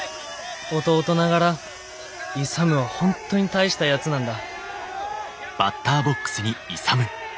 弟ながら勇は本当に大したやつなんだ」。